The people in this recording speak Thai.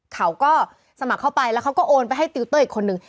เขาก็สมัครเข้าไปแล้วเขาก็โอนไปให้ติวเตอร์อีกคนนึง